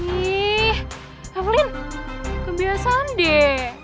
ih evelyn kebiasaan deh